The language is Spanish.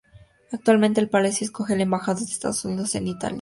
Actualmente, el palacio acoge la embajada de Estados Unidos en Italia.